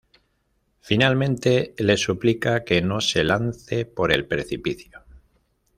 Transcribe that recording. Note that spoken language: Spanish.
Finalmente, le suplica que no se lance por el precipicio.